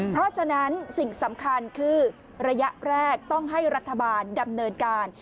เพราะฉะนั้นสิ่งสำคัญคือระยะแรกต้องให้รัฐบาลดำเนินการ